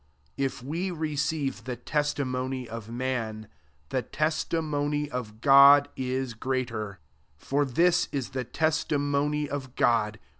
9 If we receive the testimony of man, the testimony of God is greater: for this is the testimony * i. e.